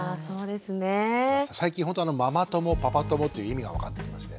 最近ほんとママ友パパ友という意味が分かってきまして。